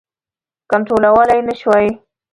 کنټرولولای نه شوای.